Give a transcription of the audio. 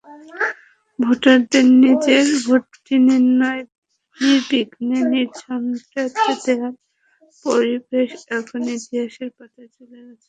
ভোটারদের নিজের ভোটটি নির্ভয়ে-নির্বিঘ্নে-নির্ঝঞ্ঝাটে দেওয়ার পরিবেশ এখন ইতিহাসের পাতায় চলে গেছে।